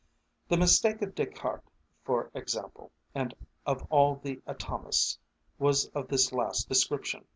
The mistake of Descartes, for example, and of all the Atomists, was of this last description.